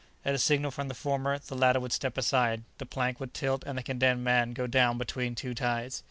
At a signal from the former the latter would step aside, the plank would tilt and the condemned man go down between two ties.